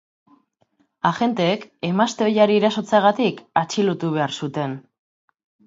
Agenteek emazte oihari erasotzeagaitik atxilotu behar zuten.